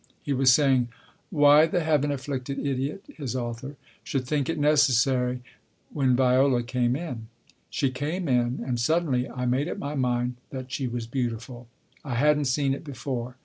He was saying " Why the Heaven afflicted idiot " (his author) " should think it necessary " when Viola came in. She came in, and suddenly I made up my mind that she was beautiful. I hadn't seen it before.